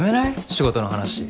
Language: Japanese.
仕事の話。